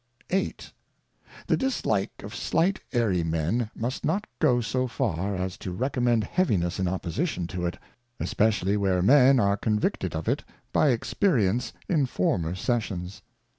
VIII. The dislike of slight Airy Men must not go so far, as to recommend heaviness in opposition to it, especially where men are convicted of it by Experience in former Sessions.